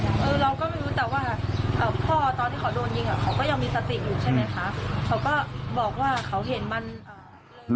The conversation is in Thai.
เขาก็บอกว่าเขาเห็นมัน